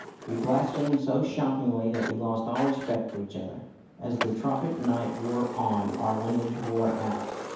We blasphemed so shockingly that we lost all respect for each other. As the tropic night wore on our language wore out.